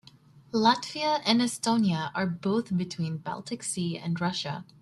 Latvia and Estonia are both between the Baltic Sea and Russia.